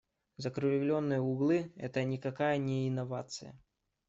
Закруглённые углы - это никакая не инновация.